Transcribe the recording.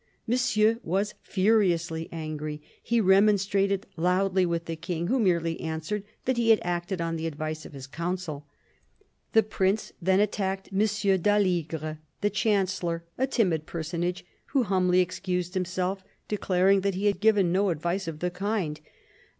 Monsieur was furiously angry. He remonstrated loudly with the King, who merely answered that he had acted on the advice of his Council. The Prince then attacked M. d'Aligre, the Chancellor, a timid personage, who humbly excused himself, declaring that he had given no advice of the kind.